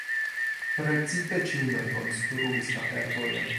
Precipe ĉinoj konstruis la fervojon.